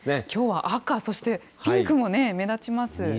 きょうは赤、そしてピンクも目立ちます。